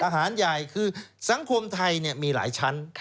หารใหญ่คือสังคมไทยมีหลายชั้น